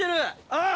あっ！